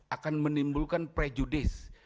akan menimbulkan prejudis